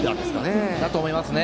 そうだと思いますね。